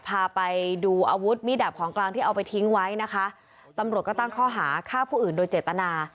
พาไปดูอาวุธมีดับของกลางที่เอาไปทิ้งไว้นะคะตำรวจก็ตั้งข้อหาฆ่าผู้อื่นโดยเจตนา